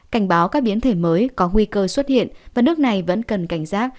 cảnh báo các biến thể mới có nguy cơ xuất hiện và nước này vẫn cần cảnh giác